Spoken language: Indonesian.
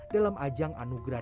dalam ajang anugerah